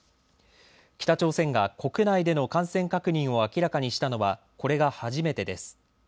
北朝鮮が国内での感染確認を明らかにしたのはこれが初めてです。